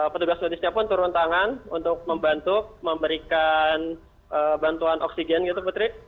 petugas medisnya pun turun tangan untuk membantu memberikan bantuan oksigen gitu putri